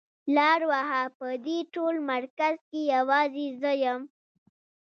لار وهه په دې ټول مرکز کې يوازې زه يم.